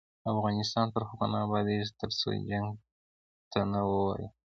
افغانستان تر هغو نه ابادیږي، ترڅو جنګ ته نه ووایو.